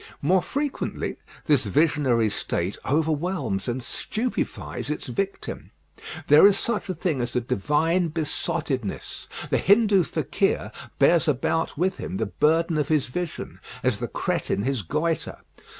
More frequently this visionary state overwhelms and stupefies its victim. There is such a thing as a divine besottedness. The Hindoo fakir bears about with him the burden of his vision, as the Cretin his goître.